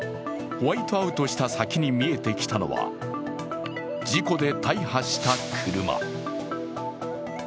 ホワイトアウトした先に見えてきたのは事故で大破した車。